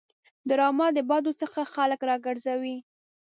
ډرامه د بدو څخه خلک راګرځوي